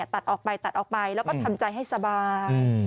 ตัดออกไปแล้วก็ทำใจให้สบาย